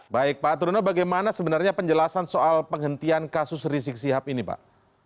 baik pak truno bagaimana sebenarnya penjelasan soal penghentian kasus risik siap ini pak